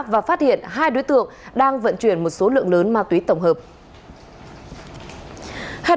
và phát hiện hai đối tượng đang vận chuyển một số lượng lớn ma túy tổng hợp